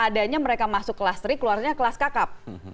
adanya mereka masuk kelas tiga keluarnya kelas kakap